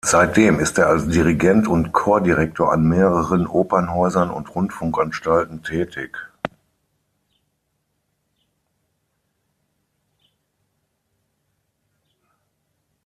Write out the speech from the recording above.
Seitdem ist er als Dirigent und Chordirektor an mehreren Opernhäusern und Rundfunkanstalten tätig.